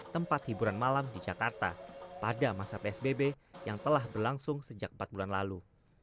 tempat hiburan malam di jakarta pada masa psbb yang telah berlangsung sejak empat bulan lalu